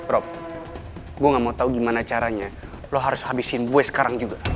rob gue gak mau tau gimana caranya lo harus habisin gue sekarang juga